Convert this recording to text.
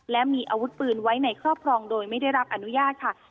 และมีอาวุธปืนไว้ในครอบครองโดยไม่ได้รับอนุญาตค่ะ